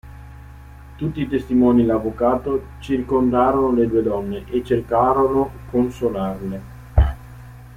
Tutti i testimoni e l'avvocato circondarono le due donne e cercarono consolarle.